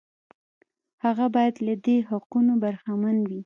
هغه باید له دې حقوقو برخمن وي.